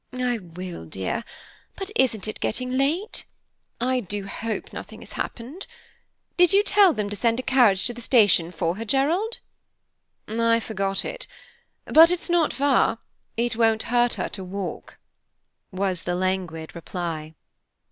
"I will, dear, but isn't it getting late? I do hope nothing has happened. Did you tell them to send a carriage to the station for her, Gerald?" "I forgot it. But it's not far, it won't hurt her to walk" was the languid reply.